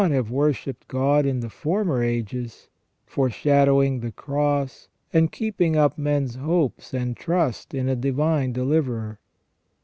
277 have worshipped God in the former ages, foreshadowing the Cross, and keeping up men's hopes and trust in a Divine Deliverer.